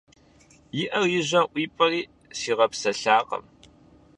И Ӏэр и жьэм ӀуипӀэри сигъэпсэлъакъым.